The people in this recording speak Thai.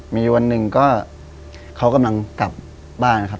มีวันหนึ่งก็เขากำลังกลับบ้านนะครับ